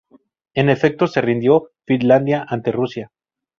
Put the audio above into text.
En efecto, se rindió Finlandia ante Rusia.